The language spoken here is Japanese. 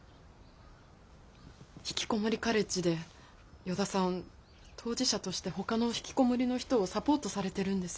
ひきこもりカレッジで依田さん当事者としてほかのひきこもりの人をサポートされてるんです。